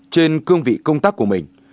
trên cương vị công tác của mình